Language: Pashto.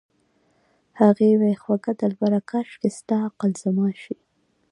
هغې وې خوږه دلبره کاشکې ستا عقل زما شي